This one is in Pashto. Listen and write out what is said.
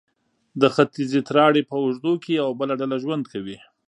د ختیځې تراړې په اوږدو کې یوه ډله ژوند کوي.